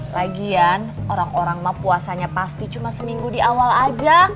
lagian orang orang mah puasanya pasti cuma seminggu di awal aja